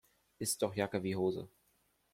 Ist doch Jacke wie Hose.